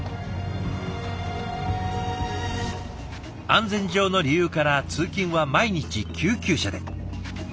安全上の理由から通勤は毎日救急車で。